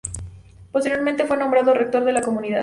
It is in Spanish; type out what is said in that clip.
Posteriormente, fue nombrado Rector de la comunidad.